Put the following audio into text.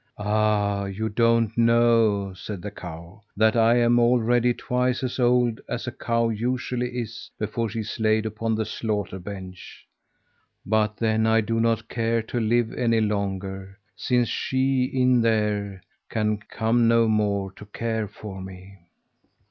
"Ah! you don't know," said the cow, "that I am already twice as old as a cow usually is before she is laid upon the slaughter bench. But then I do not care to live any longer, since she, in there, can come no more to care for me."